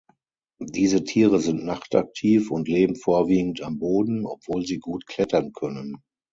Diese Tiere sind nachtaktiv und leben vorwiegend am Boden, obwohl sie gut klettern können.